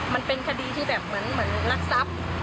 มันเป็นคดีที่แบบเหมือนรักทรัพย์